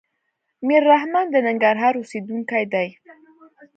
ميررحمان د ننګرهار اوسيدونکی دی.